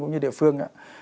cũng như địa phương